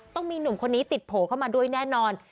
ต้องมีหนุ่มคนนี้ติดโผล่เข้ามาด้วยแน่นอน